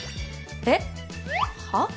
えっ？はっ？